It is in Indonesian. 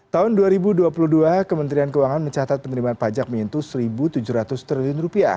tahun dua ribu dua puluh dua kementerian keuangan mencatat penerimaan pajak menyentuh rp satu tujuh ratus triliun